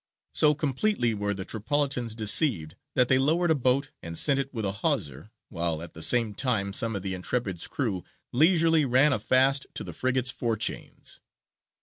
So completely were the Tripolitans deceived that they lowered a boat and sent it with a hawser, while at the same time some of the Intrepid's crew leisurely ran a fast to the frigate's fore chains.